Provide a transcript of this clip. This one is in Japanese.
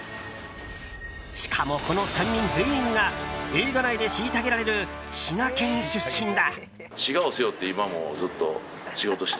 しかも、この３人全員が映画内で虐げられる滋賀県出身だ。